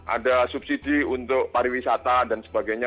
ada subsidi untuk pariwisata dan sebagainya